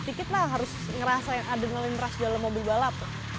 ketik ketik lah harus ngerasa yang ada ngeras dalam mobil balap